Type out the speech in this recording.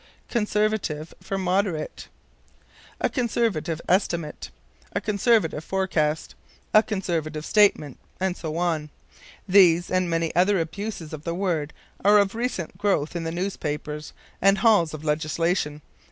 Conservative for Moderate. "A conservative estimate"; "a conservative forecast"; "a conservative statement," and so on. These and many other abuses of the word are of recent growth in the newspapers and "halls of legislation."